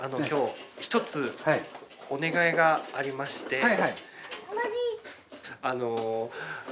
今日１つお願いがありまして。